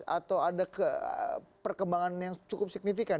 atau ada perkembangan yang cukup signifikan